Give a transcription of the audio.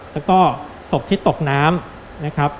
แล้วก็ศพที่ตกน้ำนะครับ